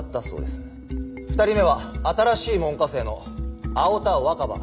２人目は新しい門下生の青田若葉。